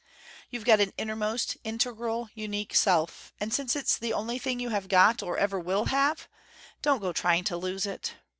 You've got an innermost, integral unique self, and since it's the only thing you have got or ever will have, don't go trying to lose it.